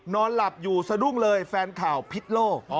นอนหลับอยู่สะดุ้งเลยแฟนข่าวพิษโลก